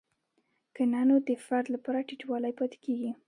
که نه نو د فرد لپاره ټیټوالی پاتې کیږي.